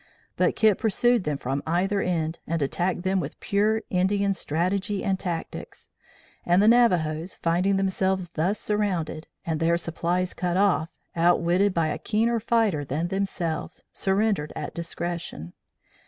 But Kit pursued them from either end, and attacked them with pure Indian strategy and tactics; and the Navajos finding themselves thus surrounded, and their supplies cut off, outwitted by a keener fighter than themselves, surrendered at discretion.